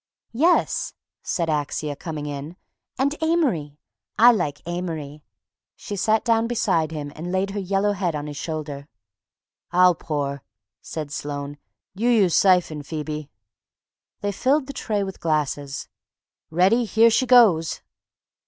"Yes," said Axia, coming in, "and Amory. I like Amory." She sat down beside him and laid her yellow head on his shoulder. "I'll pour," said Sloane; "you use siphon, Phoebe." They filled the tray with glasses. "Ready, here she goes!"